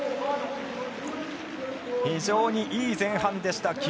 非常にいい前半でした。